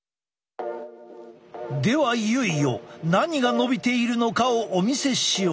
ではいよいよ何が伸びているのかをお見せしよう。